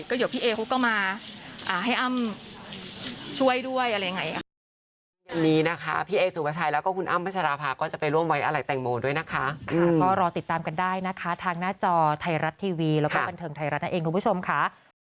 เดี๋ยวพี่เอเขาก็มาให้อ้ำช่วยด้วยอะไรยังไงค่ะ